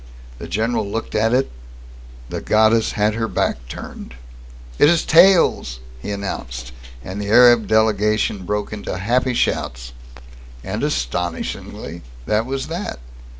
The general looked at it. The goddess had her back turned. "It is tails," he announced, and the Arab delegation broke into happy shouts. And, astonishingly, that was that.